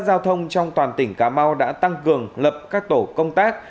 giao thông trong toàn tỉnh cà mau đã tăng cường lập các tổ công tác